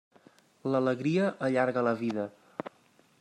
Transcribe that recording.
L'alegria allarga la vida.